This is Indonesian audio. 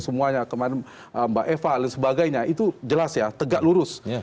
semuanya kemarin mbak eva dan sebagainya itu jelas ya tegak lurus